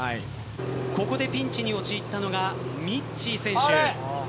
ここでピンチに陥ったのがみっちー選手。